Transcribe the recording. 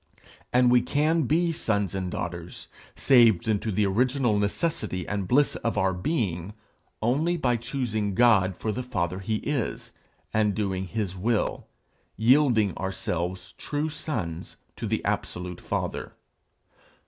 And we can be sons and daughters, saved into the original necessity and bliss of our being, only by choosing God for the father he is, and doing his will yielding ourselves true sons to the absolute Father.